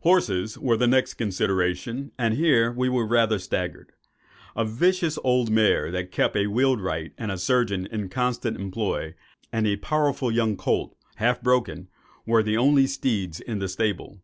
Horses were the next consideration; and here we were rather staggered. A vicious old mare, that kept a wheelwright and a surgeon in constant employ,—and a powerful young colt, half broken,—were the only steeds in stable.